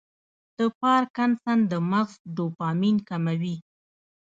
د پارکنسن د مغز ډوپامین کموي.